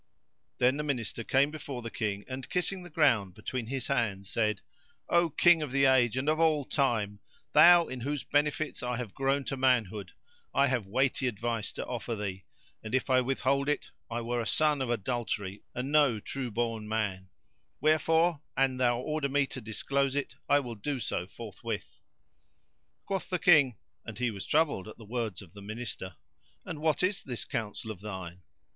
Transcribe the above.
Then the Minister came before the King and, kissing the ground between his hands, said, "O King of the age and of all time, thou in whose benefits I have grown to manhood, I have weighty advice to offer thee, and if I withhold it I were a son of adultery and no true born man; wherefore an thou order me to disclose it I will so do forthwith." Quoth the King (and he was troubled at the words of the Minister), "And what is this counsel of thine?"